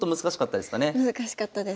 難しかったですね。